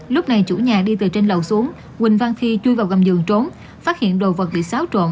lúc này chủ nhà đi từ trên lầu xuống huỳnh văn khi chui vào gầm giường trốn phát hiện đồ vật bị xáo trộn